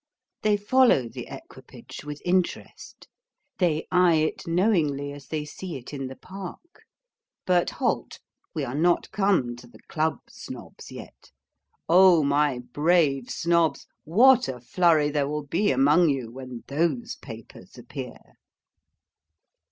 They follow the equipage with interest; they eye it knowingly as they see it in the Park. But halt! we are not come to the Club Snobs yet. O my brave Snobs, what a flurry there will be among you when those papers appear!